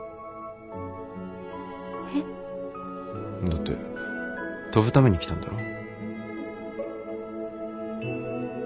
だって飛ぶために来たんだろ？